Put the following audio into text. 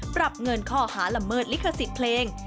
ปรับเงินข้อหาละเมิดลิขสิทธิ์เพลง